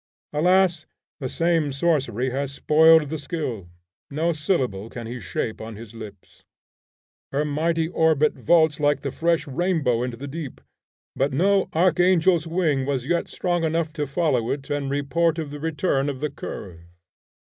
Alas! the same sorcery has spoiled his skill; no syllable can he shape on his lips. Her mighty orbit vaults like the fresh rainbow into the deep, but no archangel's wing was yet strong enough to follow it and report of the return of the curve.